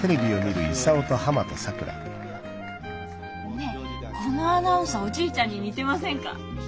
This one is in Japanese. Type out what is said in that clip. ねえこのアナウンサーおじいちゃんに似てませんか？